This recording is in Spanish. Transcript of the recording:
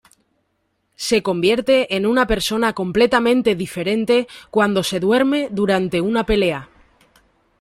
Se convierte en una persona completamente diferente cuando se duerme durante una pelea.